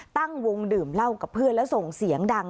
ตั้งวงดื่มเหล้ากับเพื่อนแล้วส่งเสียงดัง